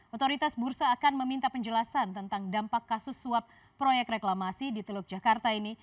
otoritas bursa akan meminta penjelasan tentang dampak kasus suap proyek reklamasi di teluk jakarta ini